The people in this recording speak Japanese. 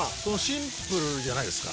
シンプルじゃないですか。